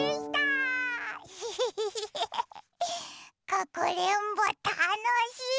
かくれんぼたのしい！